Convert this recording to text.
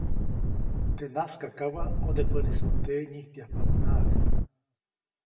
Teʼ najskakawa, ʼodepäʼnisuŋdeʼe nyijpyajpabäʼnaʼajk.